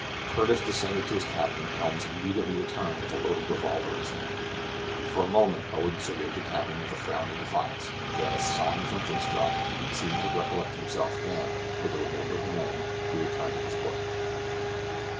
Curtis descended to his cabin, and almost immediately returned with a loaded revolver in his hand. For a moment Owen surveyed the captain with a frown of defiance; but at a sign from Jynxstrop he seemed to recollect himself, and, with the remainder of the men, he returned to his work.